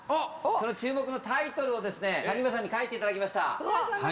注目のタイトルを、谷村さんに書いていただきました。